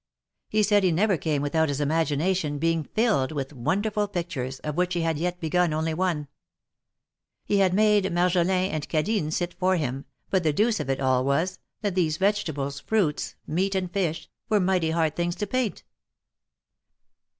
He said he never came without his imagination being filled with wonderful pictures, of which he had yet begun only one. He had made Marjolin and Cadine sit for him, but the deuce of it all was, that these vegetables, fruits, meat and fish, were mighty hard things to paint